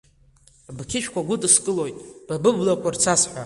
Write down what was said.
Бқьышәқәа гәыдыскылоит, ба быблақәа рцасҳәа.